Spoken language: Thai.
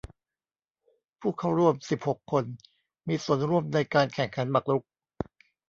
ผู้เข้าร่วมสิบหกคนมีส่วนร่วมในการแข่งขันหมากรุก